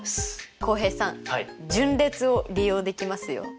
浩平さん順列を利用できますよ！